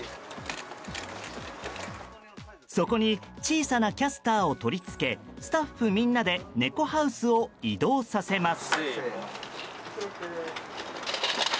底に小さなキャスターを取り付けスタッフみんなで猫ハウスを移動させます。